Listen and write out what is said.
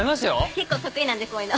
結構得意なんでこういうの。